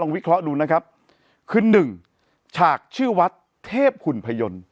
วิเคราะห์ดูนะครับคือหนึ่งฉากชื่อวัดเทพหุ่นพยนต์